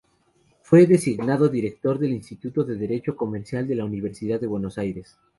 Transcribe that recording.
Fue designado Director del Instituto de Derecho Comercial de la Universidad de Buenos Aires.